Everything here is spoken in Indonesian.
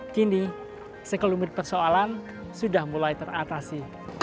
kini sekelumit persoalan sudah mulai teratasi